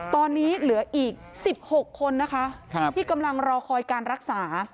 ตอนนี้เหลืออีก๑๖คนนะคะที่กำลังรอคอยการรักษา